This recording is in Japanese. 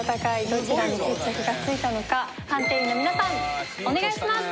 どちらに決着がついたのか判定員の皆さんお願いします。